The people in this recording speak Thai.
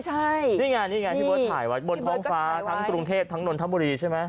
ใช่นี่ไงนี่ไงพี่เบิร์ตถ่ายไว้บนท้องฟ้าทั้งกรุงเทพทั้งนนทบุรีใช่ไหม